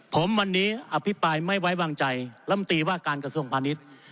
ผมวันนี้อภิปรายไม่ไว้วางใจลำตีว่าการกระทรวงพาณิชย์